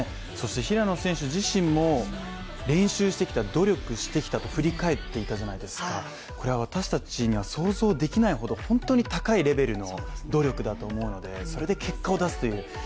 そして平野選手自身も練習してきた努力してきたと振り返っていたじゃないですかこれは私たちには想像できないほど本当に高いレベルの努力だと思うので、それで結果を出すという。